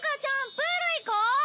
プール行こう！